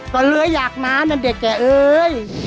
ก็เลยอยากมานะเด็กแก่เอ้ย